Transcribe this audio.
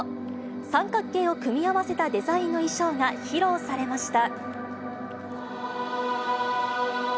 三角形を組み合わせたデザインの衣装が披露されました。